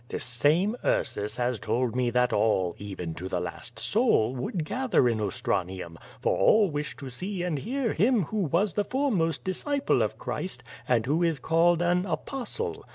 This same Ursus has told me that all, even to the last soul, would gather in Ostranium, for all wish to see and hear him who was the foremost disciple of Christ, and who is called an Apostle.